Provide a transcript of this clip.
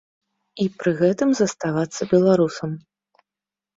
І пры гэтым заставацца беларусам.